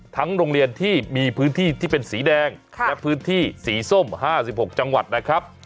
โรงเรียนที่มีพื้นที่ที่เป็นสีแดงและพื้นที่สีส้ม๕๖จังหวัดนะครับ